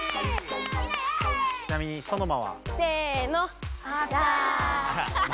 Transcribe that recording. ちなみにソノマは？せの！